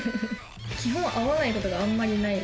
基本、合わないことがあんまりない。